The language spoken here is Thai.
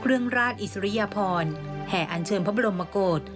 เครื่องราชอิสริยพรแห่อันเชิงพระบรมโมโกรธ